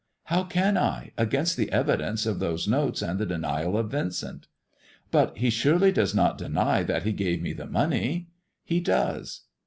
" How can I against the evidence of those notes and the denial of Vincent 1 " "But he surely does not deny that he gave me the money ]"'' He does."